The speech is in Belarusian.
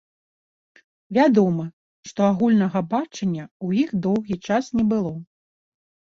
Вядома, што агульнага бачання ў іх доўгі час не было.